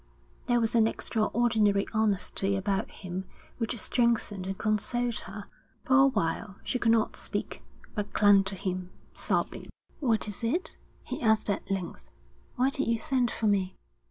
There was an extraordinary honesty about him which strengthened and consoled her. For a while she could not speak, but clung to him, sobbing. 'What is it?' he asked at length. 'Why did you send for me?'